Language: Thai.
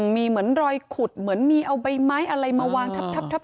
มีเหมือนรอยขุดเหมือนมีเอาใบไม้อะไรมาวางทับ